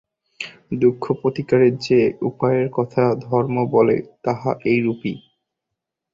দুঃখ প্রতিকারের যে উপায়ের কথা ধর্ম বলে, তাহা এইরূপই।